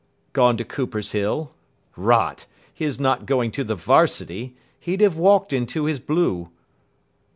"Gone to Coopers Hill. Rot, his not going to the Varsity. He'd have walked into his blue."